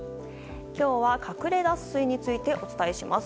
今日は隠れ脱水についてお伝えします。